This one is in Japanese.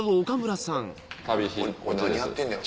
俺何やってんねや？